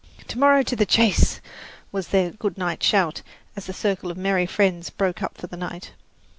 "To morrow to the chase!" was their good night shout as the circle of merry friends broke up for the night.